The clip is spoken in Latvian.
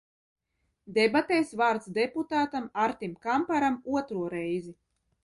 Debatēs vārds deputātam Artim Kamparam, otro reizi.